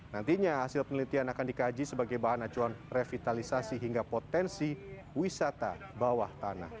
nantinya hasil penelitian akan dikaji sebagai bahan acuan revitalisasi hingga potensi wisata bawah tanah